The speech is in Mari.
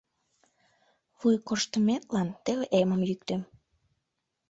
Вуй корштыметлан теве эмым йӱктем.